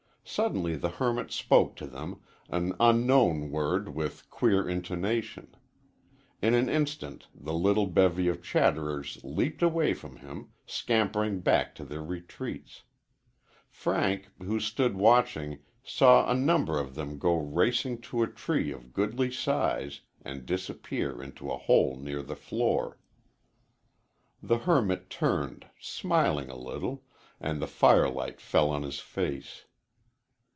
Suddenly the hermit spoke to them an unknown word with queer intonation. In an instant the little bevy of chatterers leaped away from him, scampering back to their retreats. Frank, who stood watching, saw a number of them go racing to a tree of goodly size and disappear into a hole near the floor. The hermit turned, smiling a little, and the firelight fell on his face.